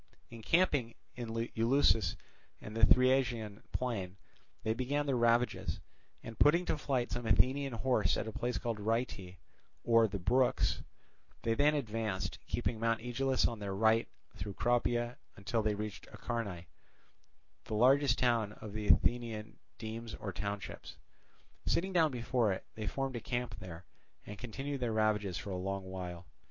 Encamping in Eleusis and the Thriasian plain, they began their ravages, and putting to flight some Athenian horse at a place called Rheiti, or the Brooks, they then advanced, keeping Mount Aegaleus on their right, through Cropia, until they reached Acharnae, the largest of the Athenian demes or townships. Sitting down before it, they formed a camp there, and continued their ravages for a long while.